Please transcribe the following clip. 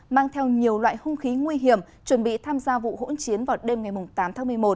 mang theo nhiều loại hung khí nguy hiểm chuẩn bị tham gia vụ hỗn chiến vào đêm ngày tám tháng một mươi một